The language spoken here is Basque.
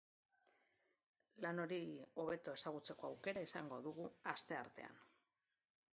Lan hori hobeto ezagutzeko auekra izango dugu asteartean.